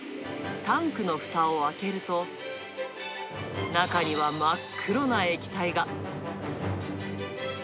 タンクのふたを開けると、中には真っ黒な液体が。